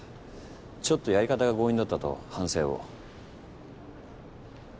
ちょっとやり方が強引だったと反省を。